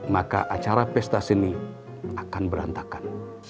maka acara pesta sini akan berantakan